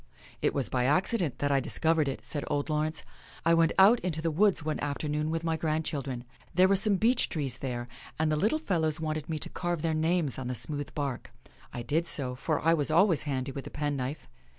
" It was by accident that I discovered it," said old Laurence. " I went out into the woods one afternoon with my grandchildren. There were some beech trees there, and the little fellows wanted me to carve their names on the smooth bark. I did so, for I was always handy with a penknife.